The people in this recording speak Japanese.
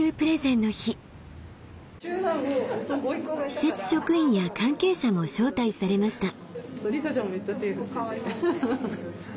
施設職員や関係者も招待されました。